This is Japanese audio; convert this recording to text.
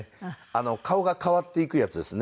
顔が変わっていくやつですね。